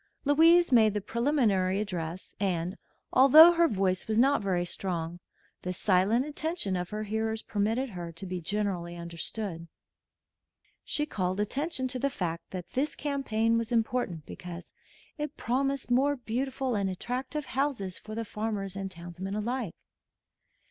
Louise made the preliminary address, and, although her voice was not very strong, the silent attention of her hearers permitted her to be generally understood. She called attention to the fact that this campaign was important because it promised more beautiful and attractive houses for the farmers and townsmen alike.